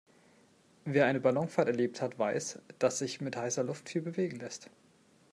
Wer eine Ballonfahrt erlebt hat, weiß, dass sich mit heißer Luft viel bewegen lässt.